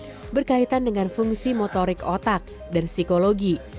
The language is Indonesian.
yang berkaitan dengan fungsi motorik otak dan psikologi